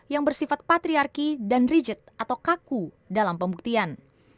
yang bersifat patriarki dan rigid atau kaku dalam pembuktian